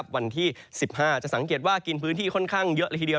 วันที่๑๕จะสังเกตว่ากินพื้นที่ค่อนข้างเยอะเลยทีเดียว